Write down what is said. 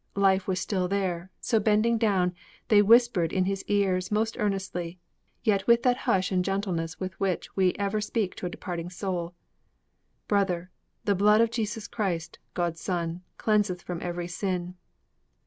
Life was still there, so bending down, They whispered in his ears most earnestly, Yet with that hush and gentleness with which We ever speak to a departing soul '_Brother! the blood of Jesus Christ, God's Son, Cleanseth from every sin.